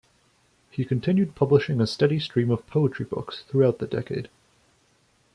He continued publishing a steady stream of poetry books throughout the decade.